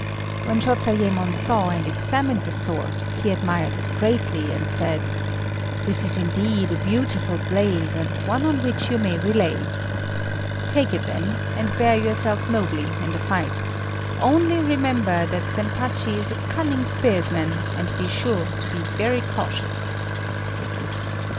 When Shôzayémon saw and examined the sword, he admired it greatly, and said, "This is indeed a beautiful blade, and one on which you may rely. Take it, then, and bear yourself nobly in the fight; only remember that Zempachi is a cunning spearsman, and be sure to be very cautious."